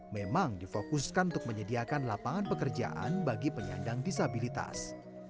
memang difokuskan untuk menyediakan lapangan pekerjaan bagi penyandang disabilitas